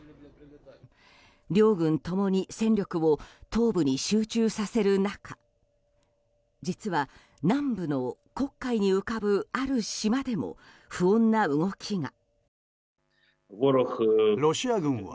両軍共に戦力を東部に集中させる中実は、南部の黒海に浮かぶある島でも不穏な動きが。